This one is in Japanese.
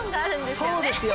そうですよ！